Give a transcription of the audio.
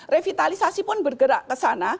revitalisasi pun bergerak kesana